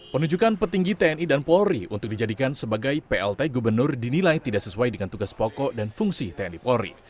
penunjukan petinggi tni dan polri untuk dijadikan sebagai plt gubernur dinilai tidak sesuai dengan tugas pokok dan fungsi tni polri